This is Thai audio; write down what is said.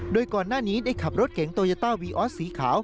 โดยก่อนหน้านี้ได้ขับรถเก๋งโตโยต้าวีออสสีขาว